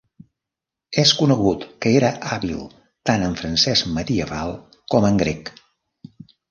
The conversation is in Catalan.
És conegut que era hàbil tant en francès medieval com en grec.